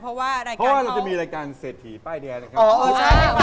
เพราะว่าเราจะมีรายการเศรษฐีป้ายแดงนะครับ